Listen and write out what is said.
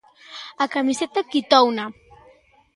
A camiseta quitouna.